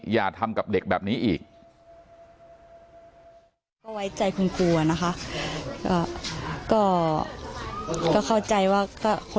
อย่าทำกับเด็กแบบนี้อีก